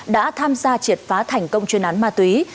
đã tham gia triệt phá thành công chuyên án ma túy